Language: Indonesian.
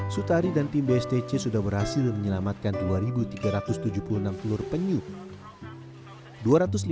sutari dan tim bstc sudah berhasil menyelamatkan dua tiga ratus tujuh puluh enam telur penyu